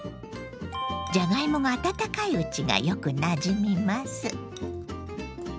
じゃがいもが温かいうちがよくなじみます。